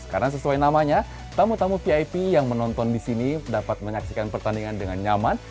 karena sesuai namanya tamu tamu vip yang menonton di sini dapat menyaksikan pertandingan dengan nyaman